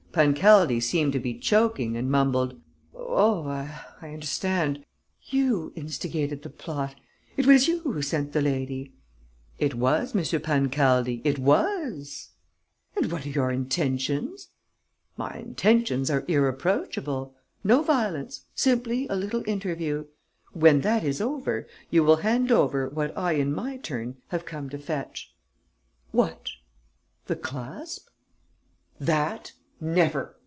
Pancaldi seemed to be choking, and mumbled: "Oh, I understand!... You instigated the plot ... it was you who sent the lady...." "It was, M. Pancaldi, it was!" "And what are your intentions?" "My intentions are irreproachable. No violence. Simply a little interview. When that is over, you will hand over what I in my turn have come to fetch." "What?" "The clasp." "That, never!"